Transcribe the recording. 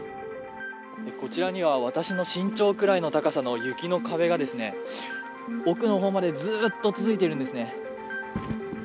こちらには私の身長くらいの高さの雪の壁が、奥の方までずっと続いているんですね。